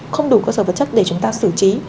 không đủ cơ sở vật chất để chúng ta xử trí